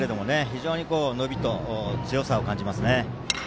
非常に伸びと強さを感じますね。